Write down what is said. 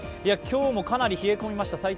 今日もかなり冷え込みました。